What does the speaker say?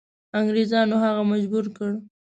انګریزانو هغه مجبور کړ.